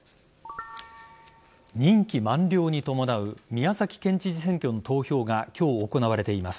任期満了に伴う宮崎県知事選挙の投票が今日行われています。